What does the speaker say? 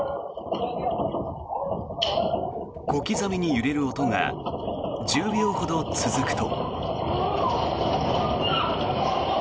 小刻みに揺れる音が１０秒ほど続くと。